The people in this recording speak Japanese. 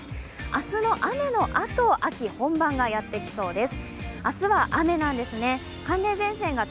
明日の雨のあと、秋本番がやってきそうです。